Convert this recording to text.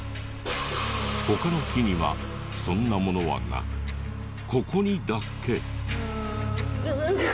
他の木にはそんなものはなくここにだけ。